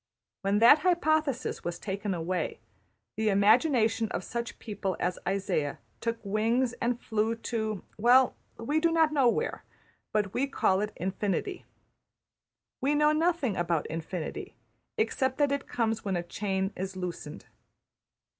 When that hypothesis was taken away, the imagination of such people as Isaiah took wings and flew to well we do not know where, but we call it Infinity. We know nothing about Infinity; except that it comes when a chain is loosened.